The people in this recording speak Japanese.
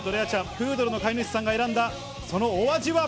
プードルの飼い主さんが選んだそのお味は？